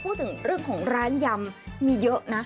พูดถึงเรื่องของร้านยำมีเยอะนะ